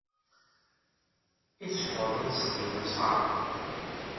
I teffɣeḍ ad d-tzedmeḍ isɣaren?